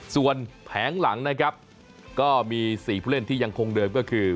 ส่วนแผงหลังนะครับก็มี๔ผู้เล่นที่ยังคงเดิมก็คือ